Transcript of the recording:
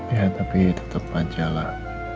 ya tapi tetap aja lah